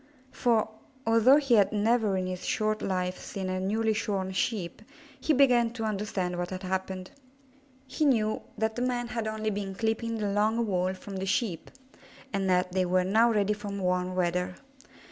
For, although he had never in his short life seen a newly shorn Sheep, he began to understand what had happened. He knew that the men had only been clipping the long wool from the Sheep, and that they were now ready for warm weather.